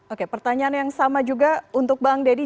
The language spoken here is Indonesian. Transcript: oke pertanyaan yang sama juga untuk bang deddy